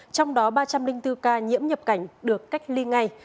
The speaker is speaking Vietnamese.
trong đó ba trăm linh bốn ca nhiễm nhập cảnh được cách ly ngay